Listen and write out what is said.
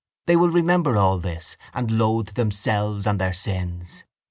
They will remember all this and loathe themselves and their sins.